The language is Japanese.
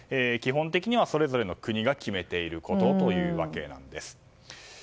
基本的にはそれぞれの国が決めていることというわけなんです。